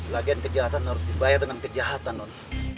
lagian kejahatan harus dibayar dengan kejahatan non